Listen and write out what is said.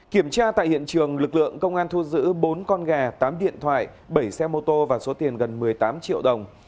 kiểm tra tại hiện trường lực lượng công an thu giữ bốn con gà tám điện thoại bảy xe mô tô và số tiền gần một mươi tám triệu đồng